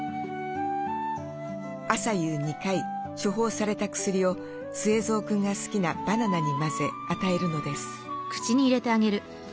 朝夕２回処方された薬をスエゾウくんが好きなバナナに混ぜ与えるのです。